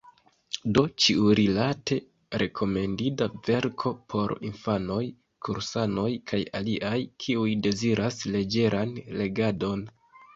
Do ĉiurilate rekomendinda verko por infanoj, kursanoj, kaj aliaj, kiuj deziras leĝeran legadon.